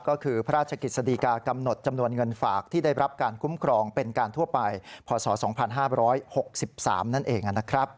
ก็คือพระราชกฤษฎีกากำหนดจำนวนเงินฝากที่ได้รับการคุ้มครองเป็นการทั่วไปพศ๒๕๖๓นั่นเองนะครับ